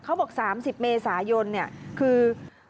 เขาบอก๓๐เมษายนคือ